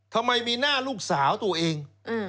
ทำไมมีหน้าลูกสาวตัวเอง